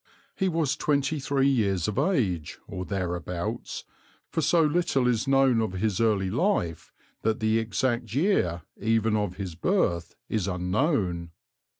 He was twenty three years of age, or thereabouts, for so little is known of his early life that the exact year even of his birth is unknown.